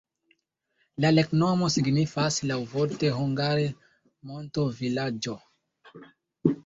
La loknomo signifas laŭvorte hungare: monto-vilaĝo.